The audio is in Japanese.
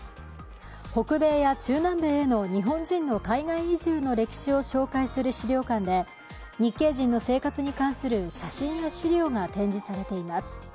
北米や中南米への日本人の海外移住の歴史を紹介する資料館で、日系人の生活に関する写真や資料が展示されています。